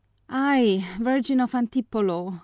"Ay, Virgin of Antipolo!"